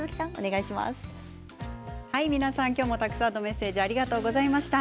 今日もたくさんのメッセージありがとうございました。